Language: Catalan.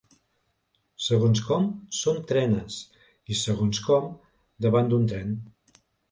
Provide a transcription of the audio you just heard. Segons com, són trenes, i segons com davant d'un tren.